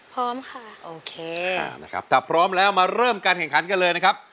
พร้อมค่ะโอเคนะครับถ้าพร้อมแล้วมาเริ่มการแข่งขันกันเลยนะครับ